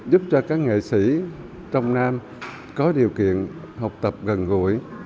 giúp cho các nghệ sĩ trong nam có điều kiện học tập gần gũi